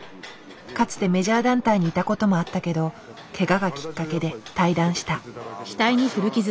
かつてメジャー団体にいた事もあったけどケガがきっかけで退団した。